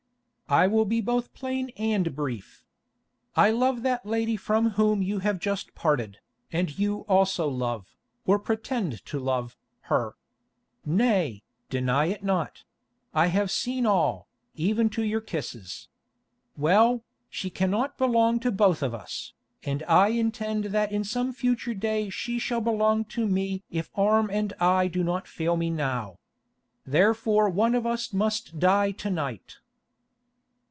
"I will be both plain and brief. I love that lady from whom you have just parted, and you also love, or pretend to love, her. Nay, deny it not; I have seen all, even to your kisses. Well, she cannot belong to both of us, and I intend that in some future day she shall belong to me if arm and eye do not fail me now. Therefore one of us must die to night."